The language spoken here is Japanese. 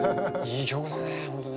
いい曲だね本当ね。